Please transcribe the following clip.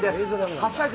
はしゃぐ